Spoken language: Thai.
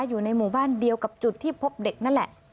อยู่ในหมู่บ้านเดียวกับจุดที่พบเด็กนั่นแหละ